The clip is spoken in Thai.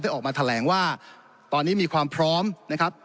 ออกมาแถลงว่าตอนนี้มีความพร้อมนะครับ